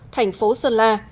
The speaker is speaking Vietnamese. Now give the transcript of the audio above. thành phố sơn la